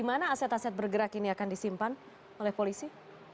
aset bergerak ini akan disimpan oleh polisi